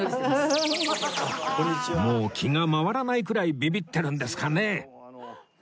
もう気が回らないくらいビビってるんですかね